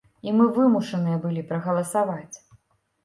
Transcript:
І мы вымушаныя былі прагаласаваць.